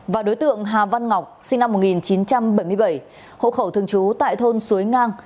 và đối tượng hà văn ngọc sinh năm một nghìn chín trăm bảy mươi bảy hộ khẩu thường trú tại thôn suối ngang